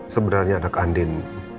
sebenarnya anak andin